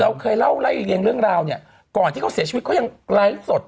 เคยเล่าไล่เรียงเรื่องราวเนี่ยก่อนที่เขาเสียชีวิตเขายังไลฟ์สด